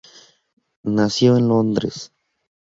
Nació en Londres.